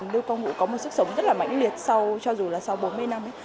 lưu quang vũ có một sức sống rất là mạnh liệt cho dù là sau bốn mươi năm ấy